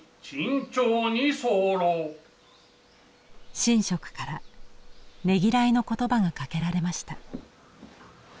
神職からねぎらいの言葉がかけられました。